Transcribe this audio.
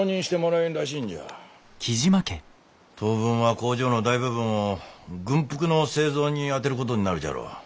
当分は工場の大部分を軍服の製造にあてることになるじゃろう。